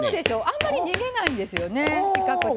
あんまり逃げないんですよね。